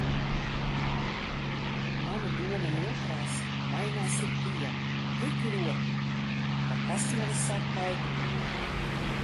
Manu domu nokrāsa mainās ik dienu, tik ļoti, ka tas mani sāk kaitināt.